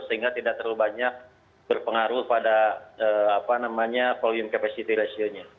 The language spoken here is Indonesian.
sehingga tidak terlalu banyak berpengaruh pada volume capacity ratio nya